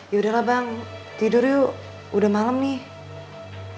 yaudahlah bang tidur yuk udah malam nih